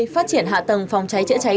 phát triển hạ tầng phòng cháy chữa cháy